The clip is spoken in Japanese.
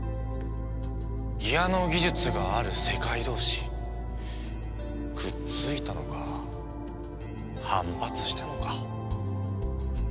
ギアの技術がある世界同士くっついたのか反発したのか。